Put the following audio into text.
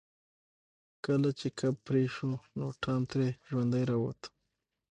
کله چې کب پرې شو نو ټام ترې ژوندی راووت.